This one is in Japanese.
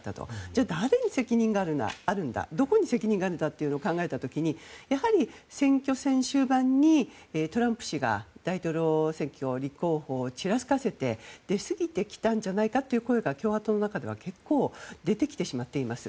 じゃあ、誰に責任があるんだどこに責任があるかを考えた時に選挙戦終盤にトランプ氏が大統領選挙立候補をちらつかせて出すぎてきてしまったんじゃないかという声が、共和党内で出てきてしまっています。